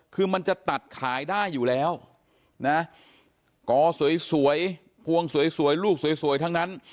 คือมันจะตัดขายได้อยู่แล้วนะกอสวยพวงสวยลูกสวยทั้งนั้น